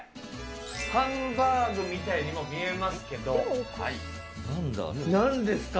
ハンバーグみたいにも見えますけど。